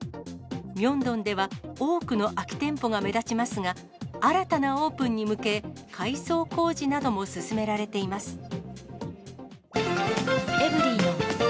ミョンドンでは、多くの空き店舗が目立ちますが、新たなオープンに向け、改装工事なども進められています。